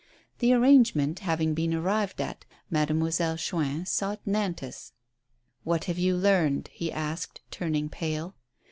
The arrangement having been arrived at, Mademoi selle Chuin sought Nantas. "What have you learned?" he asked, turning pale.